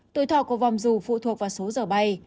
tuổi thọ của vòng dù phụ thuộc vào số giờ bay